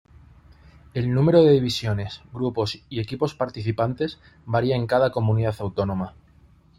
El número de divisiones, grupos y equipos participantes varía en cada comunidad autónoma.